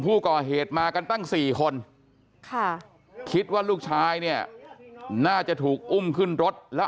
ผู้ก่อเหตุมากันตั้ง๔คนคิดว่าลูกชายเนี่ยน่าจะถูกอุ้มขึ้นรถแล้ว